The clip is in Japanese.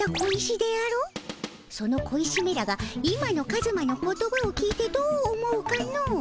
その小石めらが今のカズマの言葉を聞いてどう思うかの？